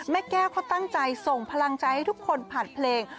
แม่แก้วเขาตั้งใจส่งพลังใจให้ทุกคนผ่านเพลง